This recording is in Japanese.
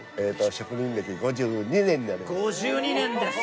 職人歴５２年になります。